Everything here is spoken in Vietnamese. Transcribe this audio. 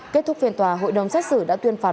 kết thúc phiên tòa hội đồng xét xử đã tuyên phạt